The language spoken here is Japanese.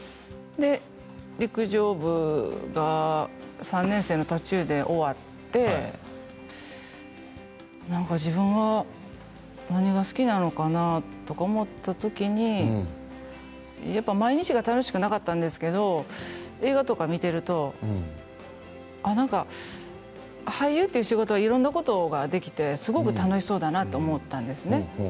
陸上部が３年生の途中で終わってなんか自分は何が好きなのかなと思ったときに毎日が楽しくなかったんですけど映画とか見てるとなんか俳優という仕事はいろんなことができてすごく楽しそうだなと思ったんですね。